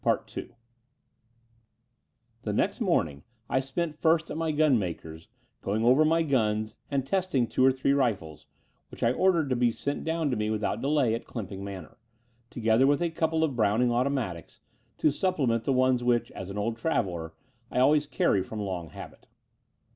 II The nest morning I spent first at my gun maker's, going over my guns and testing two or three rifles, which I ordered to be sent down to me without delay at Clymping Manor, together with a couple of Browning automatics, to supplement the one which, as an old traveller, I always carry from long habit.